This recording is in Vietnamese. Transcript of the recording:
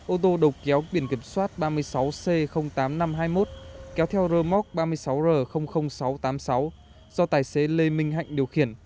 ô tô đầu kéo biển kiểm soát ba mươi sáu c tám nghìn năm trăm hai mươi một kéo theo rơ móc ba mươi sáu r sáu trăm tám mươi sáu do tài xế lê minh hạnh điều khiển